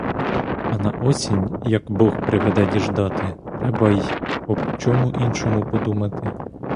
А на осінь, як бог приведе діждати, треба й об чому іншому подумати.